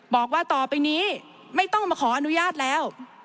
บอกว่าต่อไปนี้ไม่ต้องมาขออนุญาตแล้ว